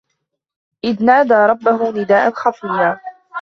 إِذْ نَادَى رَبَّهُ نِدَاءً خَفِيًّا